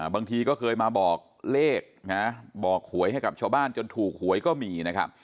บางทีก็เคยมาบอกเลขนะบอกหวยให้กับชาวบ้านจนถูกหวยก็มีนะครับ